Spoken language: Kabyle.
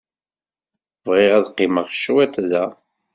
Bɣiɣ ad qqimeɣ cwiṭ da.